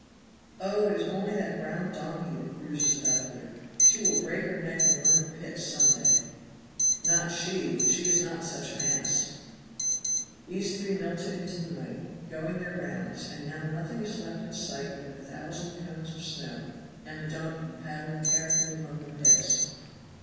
"Oh, it is only that brown donkey that cruises about here. She will break her neck in one of the pits some day." "Not she. She is not such an ass." These three melted into the night, going their rounds; and now nothing is left in sight but a thousand cones of snow, and the donkey paddling carefully among the pits.